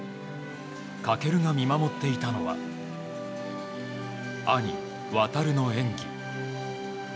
翔が見守っていたのは兄・航の演技。